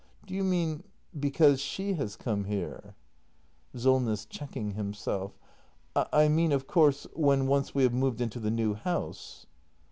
Do you mean — because she has come here? Solness. [Checking himself.] I mean, of course — when once we have moved into the new house.